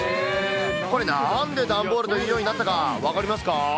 これ、なんで段ボールというようになったか分かりますか？